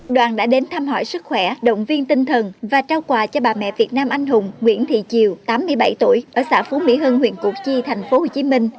đoàn đã đến thăm hỏi sức khỏe động viên tinh thần và trao quà cho bà mẹ việt nam anh hùng nguyễn thị chiều tám mươi bảy tuổi ở xã phú mỹ hưng huyện củ chi tp hcm